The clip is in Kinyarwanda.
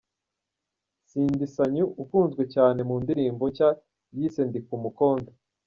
Cindy Sanyu ukunzwe cyane mu ndirimbo nshya yise 'Ndi Mukodo'.